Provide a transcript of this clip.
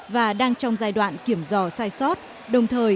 và đang trong giai đoạn kiểm dò sai sót